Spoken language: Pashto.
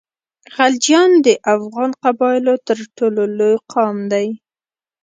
غلجیان د افغان قبایلو تر ټولو لوی قام دی.